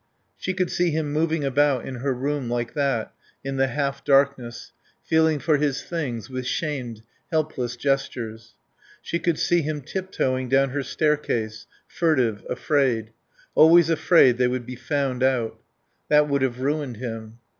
She could see him moving about in her room, like that, in the half darkness, feeling for his things, with shamed, helpless gestures. She could see him tiptoeing down her staircase, furtive, afraid. Always afraid they would be found out. That would have ruined him.